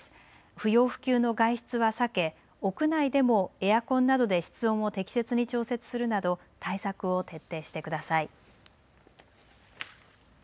不要不急の外出は避け屋内でもエアコンなどで室温を適切に調節するなど対策を徹底してください。